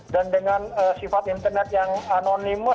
dan dengan sifat internet yang anonimus